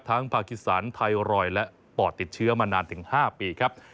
พาคิสันไทรอยด์และปอดติดเชื้อมานานถึง๕ปีครับ